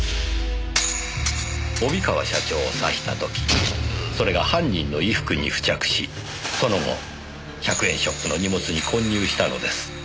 帯川社長を刺した時それが犯人の衣服に付着しその後１００円ショップの荷物に混入したのです。